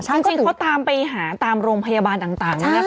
จริงเขาตามไปหาตามโรงพยาบาลต่าง